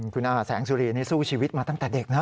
คุณอาแสงสุรีนี่สู้ชีวิตมาตั้งแต่เด็กนะ